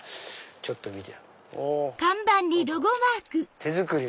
ちょっと見て。